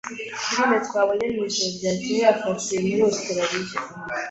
Filime twabonye mwijoro ryakeye yafatiwe muri Ositaraliya.